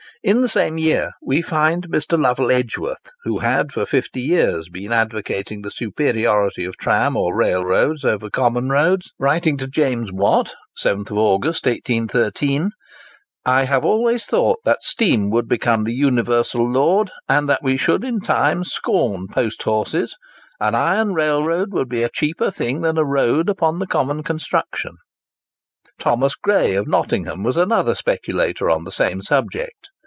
In the same year we find Mr. Lovell Edgworth, who had for fifty years been advocating the superiority of tram or rail roads over common roads, writing to James Watt (7th August, 1813): "I have always thought that steam would become the universal lord, and that we should in time scorn post horses; an iron railroad would be a cheaper thing than a road upon the common construction." Thomas Gray, of Nottingham, was another speculator on the same subject.